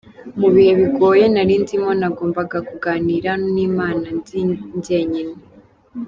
Mu bihe bigoye nari ndimo nagombaga kuganira n’Imana ndi njyenyine.